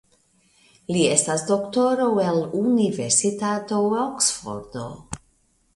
Li estas doktoro el Universitato Oksfordo.